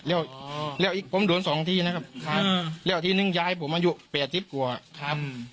เล่าเดินสองที่นะครับถ้าเล่าที่หนึ่งย้ายผมอะอยู่แปดสิบกลัวครับ